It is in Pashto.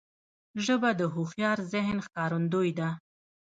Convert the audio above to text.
ژبه د هوښیار ذهن ښکارندوی ده